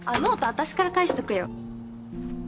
私から返しとくよ。